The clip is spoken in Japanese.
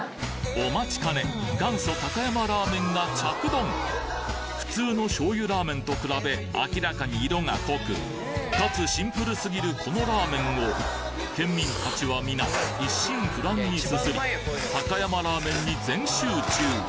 お待ちかね元祖高山ラーメンが着丼普通の醤油ラーメンと比べ明らかに色が濃くかつシンプルすぎるこのラーメンを県民達はみな一心不乱にすすり高山ラーメンに全集中